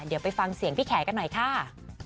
เดี๋ยวไปฟังเสียงพี่แขกันหน่อยค่ะ